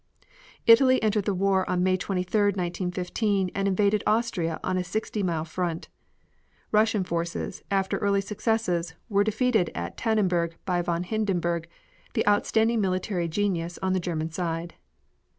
Italy entered the war on May 23,1915, and invaded Austria on a sixty mile front. Russian forces, after early successes, were defeated at Tannenburg by von Hindenburg, the outstanding military genius on the German side.